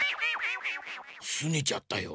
すねちゃったよ。